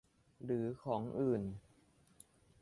หรือของอื่น